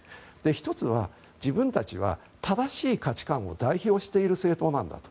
１つは自分たちは正しい価値観を代表している政党なんだと。